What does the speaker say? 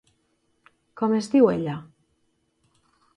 Com es diu ella?